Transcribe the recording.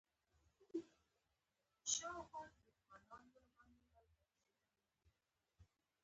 الصلواة یې ویلو.